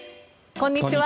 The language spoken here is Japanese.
こんにちは。